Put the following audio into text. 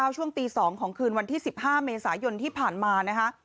ช่วงตี๒ของคืนวันที่๑๕เมษายนที่ผ่านมานะคะ